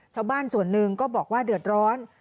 ชาวบ้านส่วนหนึ่งก็บอกว่าเดือดร้อน